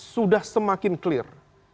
sudah semakin clear